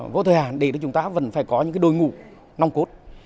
vô thời hạn thì chúng ta vẫn phải có những cái đôi ngũ nong cốt